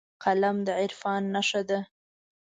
قلم د عرفان نښه ده